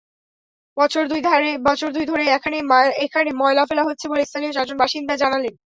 বছর দুই ধরে এখানে ময়লা ফেলা হচ্ছে বলে স্থানীয় চারজন বাসিন্দা জানালেন।